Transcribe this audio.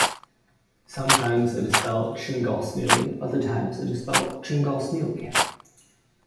Sometimes it is spelt "Chignall Smealy" other times, it is spelt "Chignal Smealy".